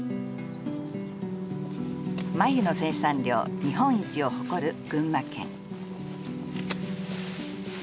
繭の生産量日本一を誇る群馬県。